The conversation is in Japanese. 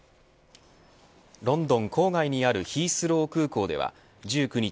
ロンドン郊外にあるヒースロー空港では１９日